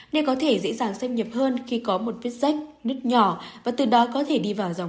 nên có thể dễ dàng xếp nhập hơn khi có một viết rách nước nhỏ